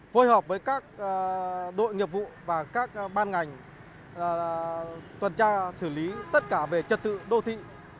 phối hợp với các đội nghiệp vụ và các ban ngành tuần tra xử lý tất cả về trật tự đô thị